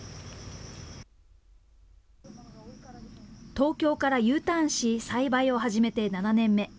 東京からＵターンし、栽培を始めて７年目。